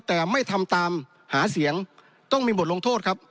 แต่ไม่ทำตามหาเสียงต้องมีบทลงโทษครับ